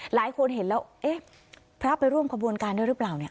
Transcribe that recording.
หลายคนเห็นแล้วเอ๊ะพระไปร่วมขบวนการด้วยหรือเปล่าเนี่ย